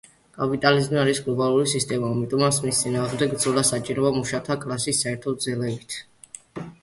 კაპიტალიზმის არის გლობალური სისტემა, ამიტომაც მის წინააღმდეგ ბრძოლა საჭიროა მუშათა კლასის საერთო ძალებით.